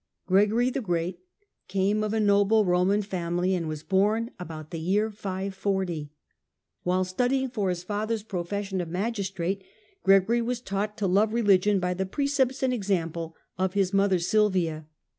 Gregory Gregory the Great came of a noble Eoman family and 540 604 ' was born about the year 540. While studying for his i father's profession of magistrate, Gregory was taught to \i love religion by the precepts and example of his mother Silvia.